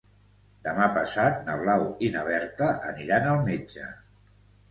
Demà passat na Blau i na Berta aniran al metge.